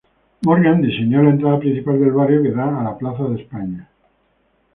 Morgan diseñó la entrada principal del barrio, que da a la plaza de España.